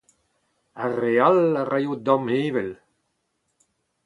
Ar re all a raio damheñvel.